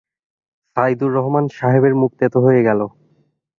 সাইদুর রহমান সাহেবের মুখ তেতো হয়ে গেল।